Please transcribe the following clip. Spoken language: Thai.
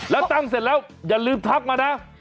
แล้วตั้งเสร็จแล้วอย่าลืมทักมานะ